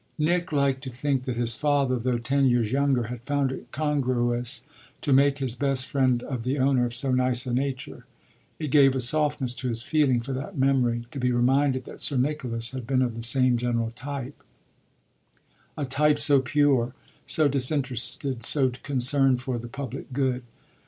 Nick liked to think that his father, though ten years younger, had found it congruous to make his best friend of the owner of so nice a nature: it gave a softness to his feeling for that memory to be reminded that Sir Nicholas had been of the same general type a type so pure, so disinterested, so concerned for the public good.